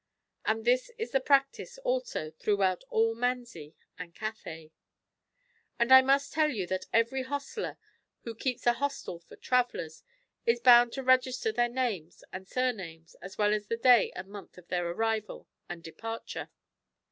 And this is the practice also throughout all Manzi and Cathay. '^ And I must tell you that every hosteler who keeps an hostel for travellers is bound to register their names and surnames, as well as the day and month of their arrival and departure.